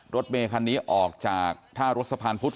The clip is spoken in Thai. รถเมคันนี้ออกจากท่ารถสะพานพุธ